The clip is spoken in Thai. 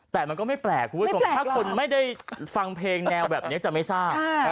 แต่มันก็ไม่แปลกคุณผู้ชมถ้าคนไม่ได้ฟังเพลงแนวแบบนี้จะไม่ทราบ